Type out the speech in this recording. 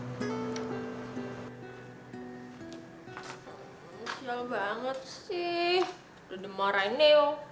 sial banget sih udah demarain neo